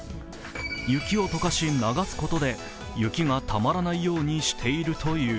雪を解かし、流すことで雪がたまらないようにしているという。